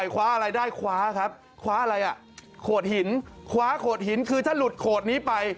ขวาอะไรคงคนหินคว้าขวดหินคือถ้าหลุดโค็ตนี้ไป